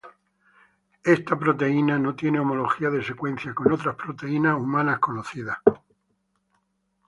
Esta proteína no tiene homología de secuencia con otras proteínas humanas conocidas.